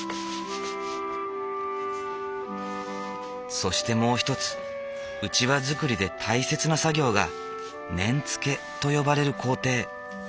そしてもう一つうちわ作りで大切な作業が念付けと呼ばれる工程。